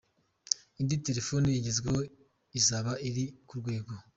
indi telefone igezweho izaba iri ku rwego.